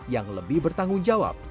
yang lebih bertanggung jawab